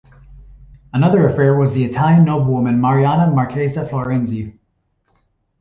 Another affair was the Italian noblewoman Marianna Marquesa Florenzi.